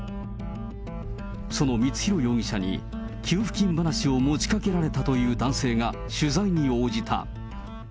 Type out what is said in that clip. その光弘容疑者に給付金話を持ち掛けられたという男性が取材に応じた。